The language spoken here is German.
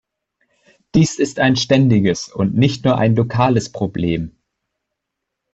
Dies ist ein ständiges und nicht nur ein lokales Problem.